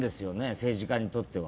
政治家にとっては。